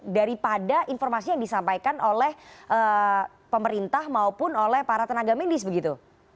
daripada informasi yang disampaikan oleh pemerintah maupun oleh para tenaga medis begitu